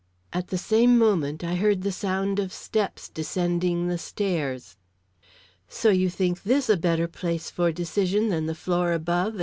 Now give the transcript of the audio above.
At the same moment I heard the sound of steps descending the stairs. "So you think this a better place for decision than the floor above?"